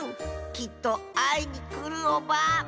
きっとあいにくるオバ。